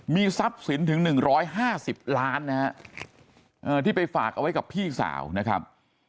มีทรัพย์สินถึง๑๕๐ล้านนะฮะที่ไปฝากเอาไว้กับพี่สาวนะครับ